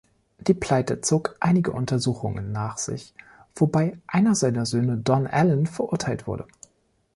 Die Pleite zog einige Untersuchungen nach sich, wobei einer seiner Söhne, Don-Allen, verurteilt wurde.